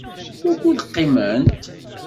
Wukud qiment?